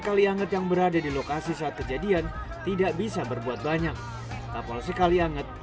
kalianget yang berada di lokasi saat kejadian tidak bisa berbuat banyak kapal sekali anget